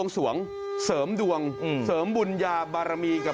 สวัสดีค่ะ